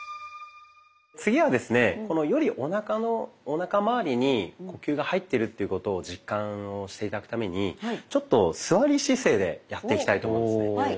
次はですねよりおなかまわりに呼吸が入ってるということを実感して頂くためにちょっと座り姿勢でやっていきたいと思いますね。